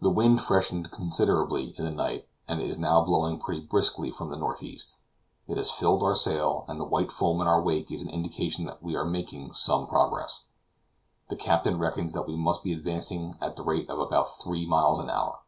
The wind freshened considerably in the night, and it is now blowing pretty briskly from the northeast. It has filled our sail, and the white foam in our wake is an indication that we are making some progress. The captain reckons that we must be advancing at the rate of about three miles an hour.